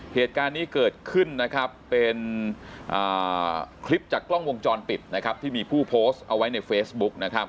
เหตุการณ์นี้เกิดขึ้นเป็นคลิปจากกล้องวงจรปิดที่มีผู้โพสต์เอาไว้ในเฟซบุ๊ค